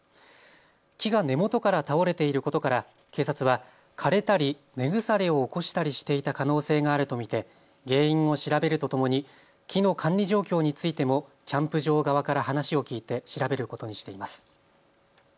木が根元から倒れていることから警察は枯れたり、根腐れを起こしたりしていた可能性があると見て原因を調べるとともに木の管理状況についてもキャンプ場側から話を聞いて調べることにしています。